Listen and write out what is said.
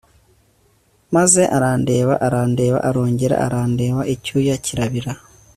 maze arandeba arandeba arongera arandeba icyuya kirabira